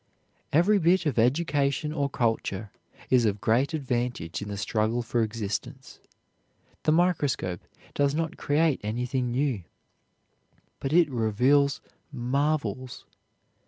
Every bit of education or culture is of great advantage in the struggle for existence. The microscope does not create anything new, but it reveals marvels.